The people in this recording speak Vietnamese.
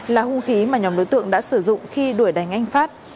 là hung khí mà nhóm đối tượng đã sử dụng khi đuổi đánh anh phát